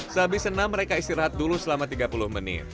sehabis senam mereka istirahat dulu selama tiga puluh menit